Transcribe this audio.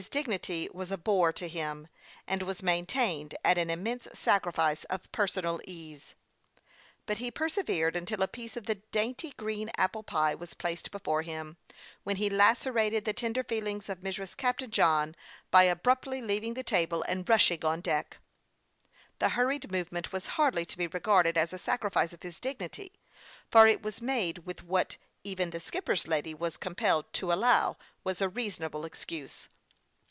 15 nity was a "bore" to him, and was maintained at an immense sacrifice of personal ease ; but he per severed until a piece of the dainty green apple pie was placed before him, when he lacerated the ten der feelings of Mrs. Captain John by abruptly leav ing the table and rushing on deck. This hurried movement was hardly to be regarded as a sacrifice of his dignity, for it was made with what even the skipper's lady was compelled to allow was a reasonable excuse.